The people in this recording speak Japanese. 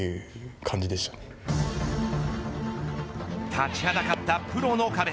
立ちはだかったプロの壁。